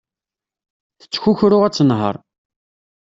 Tettkukru ad tenher.